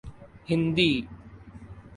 Hindi